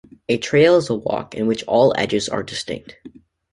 A trail is a walk in which all edges are distinct.